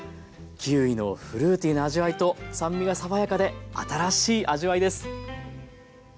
キウイのフルーティーな味わいと酸味が爽やかで新しい味わいです。